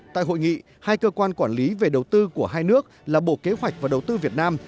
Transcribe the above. tại hội nghị hai cơ quan quản lý về đầu tư của hai nước là bộ kế hoạch và đầu tư việt nam